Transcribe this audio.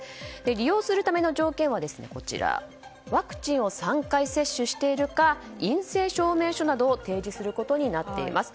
利用するための条件はワクチンを３回接種しているか陰性証明書などを提示することになっています。